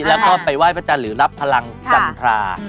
แล้วก็ไปไหว้พระจันทร์หรือรับพลังจันทรา